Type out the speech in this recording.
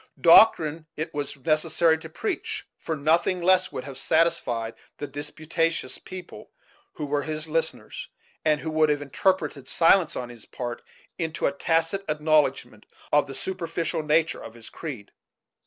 Doctrine it was necessary to preach, for nothing less would have satisfied the disputatious people who were his listeners, and who would have interpreted silence on his part into a tacit acknowledgment of the superficial nature of his creed.